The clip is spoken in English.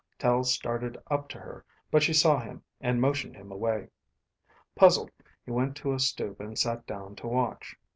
Tel started up to her, but she saw him and motioned him away. Puzzled, he went to a stoop and sat down to watch.